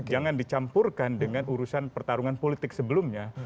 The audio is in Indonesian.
jangan dicampurkan dengan urusan pertarungan politik sebelumnya